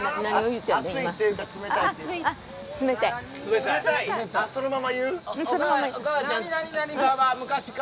熱いって言うか冷たいって言うか。